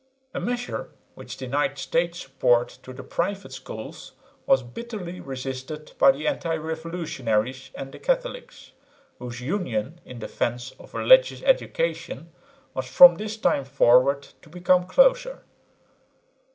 A measure which denied State support to the "private" schools was bitterly resisted by the anti revolutionaries and the Catholics, whose union in defence of religious education was from this time forward to become closer.